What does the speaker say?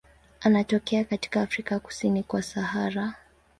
Anatokea katika Afrika kusini kwa Sahara.